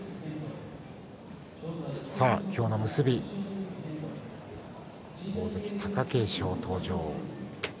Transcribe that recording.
今日の結び、大関貴景勝登場。